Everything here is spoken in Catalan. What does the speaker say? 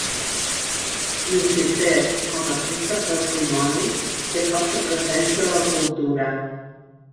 Llucifer com a príncep dels dimonis té força presència a la cultura.